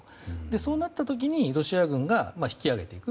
そうなった時にロシア軍が引き揚げていく。